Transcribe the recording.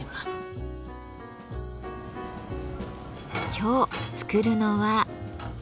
今日作るのは。